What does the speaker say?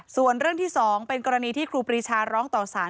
ส่วนเรื่องที่๒เป็นกรณีที่ครูปรีชาร้องต่อสาร